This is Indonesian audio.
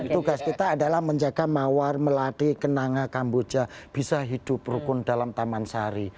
tugas kita adalah menjaga mawar melati kenanga kamboja bisa hidup rukun dalam taman sari